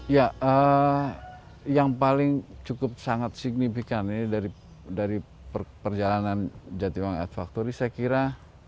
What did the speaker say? ya yang paling cukup sangat signifikan dari perjalanan jatiwangi art factory saya kira